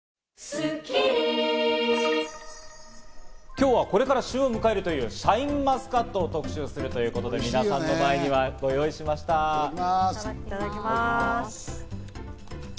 今日はこれから旬を迎えるというシャインマスカットを特集するということで、皆さんの前にはいただきます。